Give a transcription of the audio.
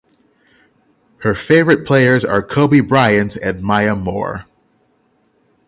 Her favorite players are Kobe Bryant and Maya Moore.